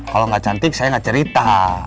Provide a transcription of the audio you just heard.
kalau gak cantik saya gak cerita